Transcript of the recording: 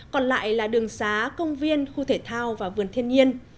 còn lại là đường xá công viên khu thể thao và vườn thiên nhiên